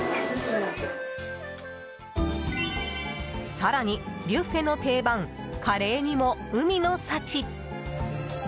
更に、ビュッフェの定番カレーにも、海の幸。